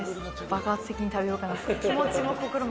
爆発的に食べよかなと。